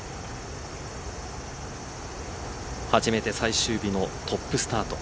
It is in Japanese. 初めて最終日のトップスタート。